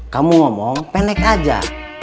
kamu ngomong pendek aja